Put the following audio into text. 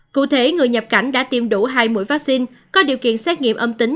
cụ thể người nhập cảnh đã tiêm đủ hai mũi vaccine có điều kiện xét nghiệm âm tính